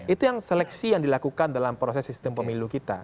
itu yang seleksi yang dilakukan dalam proses sistem pemilu kita